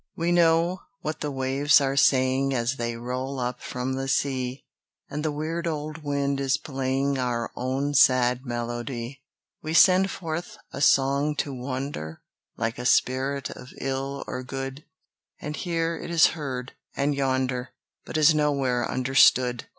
We know what the waves are saying As they roll up from the sea, And the weird old wind is playing Our own sad melody. We send forth a song to wander Like a spirit of ill or good; And here it is heard, and yonder, But is nowhere understood.